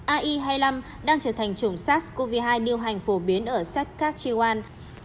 ai hai mươi năm đang trở thành chủng sars cov hai điều hành phổ biến ở saskatchewan